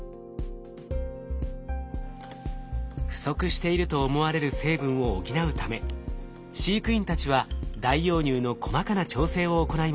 不足していると思われる成分を補うため飼育員たちは代用乳の細かな調整を行いました。